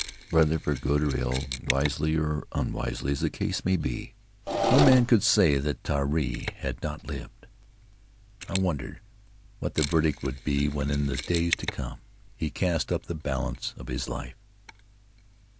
Whether for good or ill, wisely or unwisely, as the case might be, no man could say that Tari had not lived; I wondered what the verdict would be when, in the days to come, he cast up the balance of his life.